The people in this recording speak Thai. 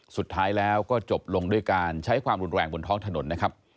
สุดท้ายแล้วก็จบลงด้วยการใช้ความรุนแรงบนท้องถนนนะครับ